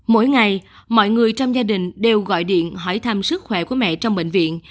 mỗi ngày mọi người trong gia đình đều gọi điện hỏi thăm sức khỏe của mẹ trong bệnh viện